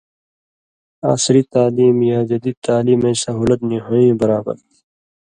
عصری تعلیم یا جدید تعلیمَیں سہولت نی ہُوئیں برابر تھی۔